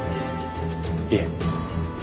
いえ。